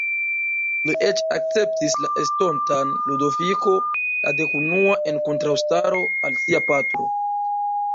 Li eĉ akceptis la estontan Ludoviko la Dekunua en kontraŭstaro al sia patro.